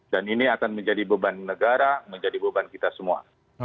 dan ini akan menjadi beban negara menjadi beban kita semua